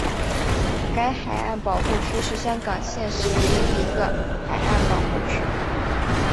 该海岸保护区是香港现时唯一一个海岸保护区。